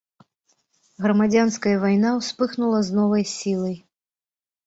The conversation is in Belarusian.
Грамадзянская вайна ўспыхнула з новай сілай.